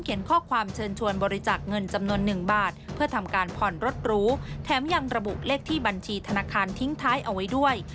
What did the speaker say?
อีก๓บาทเพื่อทำการผ่อนรถรูแถมยังระบุเลขที่บัญชีธนาคารทิ้งท้ายเอาไว้ด้วย